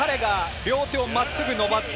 彼が両手をまっすぐ伸ばすと